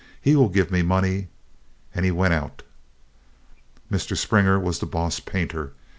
He will give me money." And he went out. Mr. Springer was the boss painter.